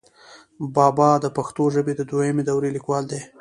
بابا دَپښتو ژبې دَدويمي دورې ليکوال دی،